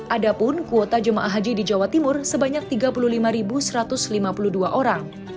ada pun kuota jemaah haji di jawa timur sebanyak tiga puluh lima satu ratus lima puluh dua orang